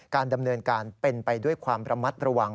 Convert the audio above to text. ดำเนินการเป็นไปด้วยความระมัดระวัง